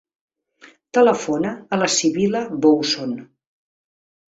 Telefona a la Sibil·la Bouzon.